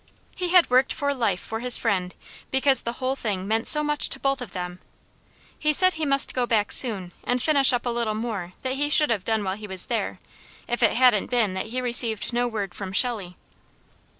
He had worked for life for his friend, because the whole thing meant so much to both of them. He said he must go back soon and finish up a little more that he should have done while he was there, if it hadn't been that he received no word from Shelley.